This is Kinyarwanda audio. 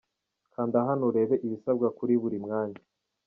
Kanda hano urebe ibisabwa kuri buri mwanya :